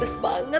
ayo cepet keluar